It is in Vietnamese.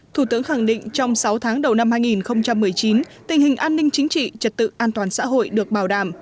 thủ tướng khẳng định trong sáu tháng đầu năm hai nghìn một mươi chín tình hình an ninh chính trị trật tự an toàn xã hội được bảo đảm